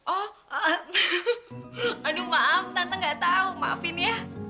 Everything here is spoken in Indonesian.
oh eh eh aduh maaf tante gak tau maafin ya